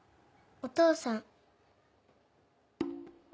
お父さん。